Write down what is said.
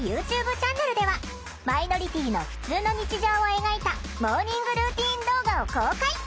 チャンネルではマイノリティーのふつうの日常を描いたモーニングルーティン動画を公開！